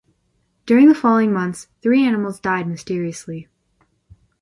During the following months, three animals died mysteriously.